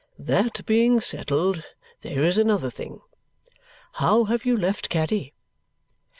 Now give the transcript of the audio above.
That being settled, there is another thing how have you left Caddy?"